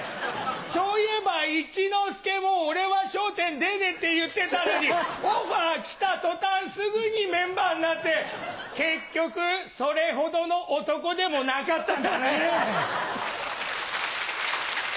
そういえば一之輔も「俺は『笑点』出ねえ」って言ってたのにオファー来た途端すぐにメンバーになって結局それほどの男でもなかったんだね。